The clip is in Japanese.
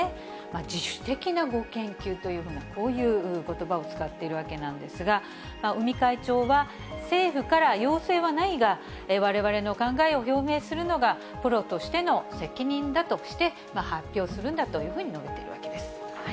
自主的なご研究というふうな、こういうことばを使っているわけなんですが、尾身会長は、政府から要請はないが、われわれの考えを表明するのが、プロとしての責任だとして、発表するんだというふうに述べているわけです。